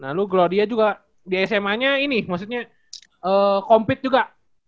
nah lu claudia juga di sma nya ini maksudnya compete juga